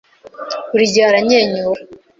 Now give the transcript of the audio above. Buri gihe aranyenyura.